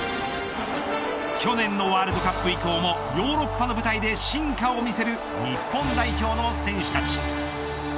去年のワールドカップ以降もヨーロッパの舞台で進化を見せる日本代表の選手たち。